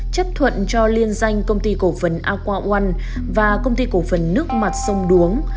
chấp thuận cho liên danh công ty cổ phần aqua one và công ty cổ phần nước mặt sông đuống